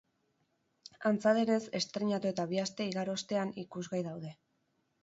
Antza denez, estreinatu eta bi aste igaro ostean, ikusgai daude.